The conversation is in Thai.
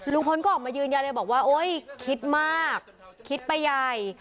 ลุงพลก็ออกมายืนอย่างไรบอกว่าคิดมากคิดไปใหญ่